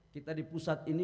kita di pusat ini